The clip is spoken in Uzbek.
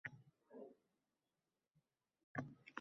Ammo keyin birdan o‘zgardi